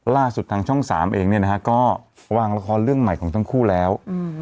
ล่าสุดทางช่อง๓เองเนี่ยนะฮะก็วางละครเรื่องใหม่ของทั้งคู่แล้ว